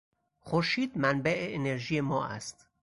خورشید منبع انرژی ما است.